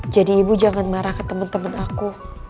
jadi ibu jangan marah ke temen temen aku